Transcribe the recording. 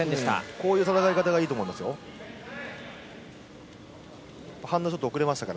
こういう戦い方がいいと思いますよ。